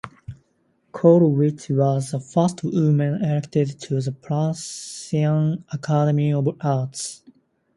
Kollwitz was the first woman elected to the Prussian Academy of Arts.